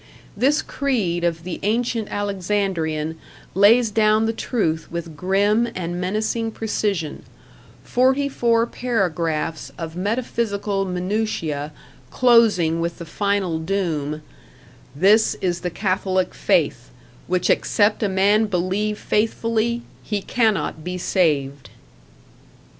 This creed of the ancient Alexandrian lays down the truth with grim and menacing precision forty four paragraphs of metaphysical minutiae, closing with the final doom: "This is the Catholick faith: which except a man believe faithfully, he cannot be saved."